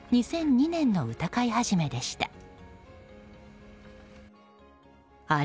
２００２年の歌会始でした。